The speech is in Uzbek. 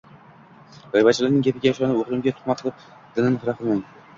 G`iybatchilarning gapiga ishonib, o`g`limga tuhmat qilib, dilini xira qilmang